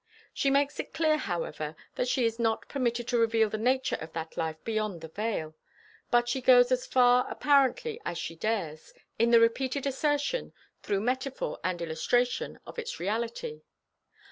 She makes it clear, however, that she is not permitted to reveal the nature of that life beyond the veil, but she goes as far apparently as she dares, in the repeated assertion, through metaphor and illustration, of its reality.